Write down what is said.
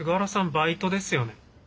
バイトですよね。